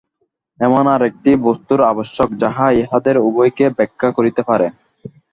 এমন আর একটি বস্তুর আবশ্যক, যাহা ইহাদের উভয়কেই ব্যাখ্যা করিতে পারে।